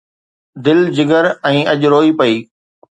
دل، جگر ۽ اڃ روئي پئي